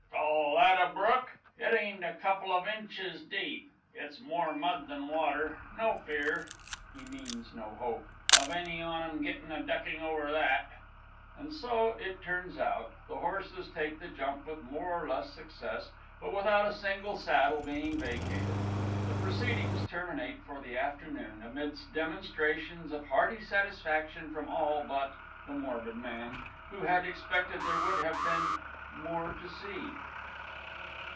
Call that a brook! It ain't a couple of inches deep it's more mud than water! No fear (he means "no hope") of any on 'em getting a ducking over that! [_And so it turns out; the horses take the jump with more or less success, but without a single saddle being vacated. The proceedings terminate for the afternoon amidst demonstrations of hearty satisfaction from all but_ THE MORBID MAN, _who had expected there would have been "more to see."